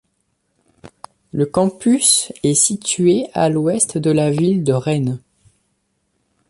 Le campus est situé à l'Ouest de la ville de Rennes.